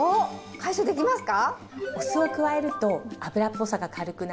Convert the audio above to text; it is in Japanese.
解消できますか？